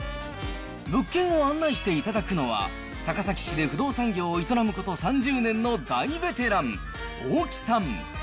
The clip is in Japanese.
物件を案内していただくのは、高崎市で不動産業を営むこと３０年の大ベテラン、大木さん。